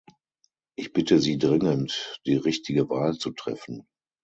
Ich bitte Sie dringend, die richtige Wahl zu treffen.